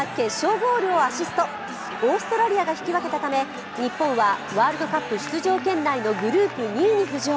オーストラリアが引き分けたため日本はワールドカップ出場圏内のグループ２位に浮上。